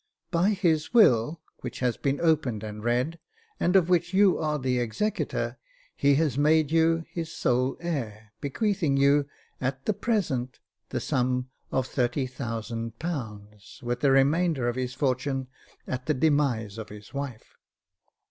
By his will, which has been opened and read, and of which you are the executor, he has made you his sole heir, bequeathing you, at the present, the sum of ^^30,000, with the re mainder of his fortune at the demise of his wife.